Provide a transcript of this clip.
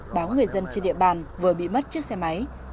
báo người dân trên địa bàn vừa bị mất chiếc xe máy